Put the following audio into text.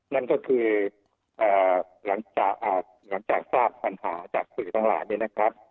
นั่นก็คืออ่าหลังจากอ่าหลังจากทราบปัญหาจากสื่อทั้งหลายเนี้ยนะครับ